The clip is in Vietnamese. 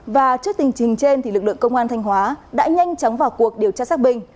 và trước tình hình trên lực lượng công an thanh hóa đã nhanh chóng vào cuộc điều tra xác minh